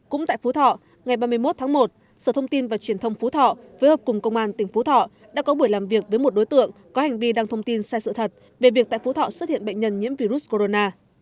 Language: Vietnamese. cũng tại phú thọ ngày ba mươi một tháng một sở thông tin và truyền thông phú thọ với hợp cùng công an tỉnh phú thọ đã có buổi làm việc với một đối tượng có hành vi đăng thông tin sai sự thật về việc tại phú thọ xuất hiện bệnh nhân nhiễm virus corona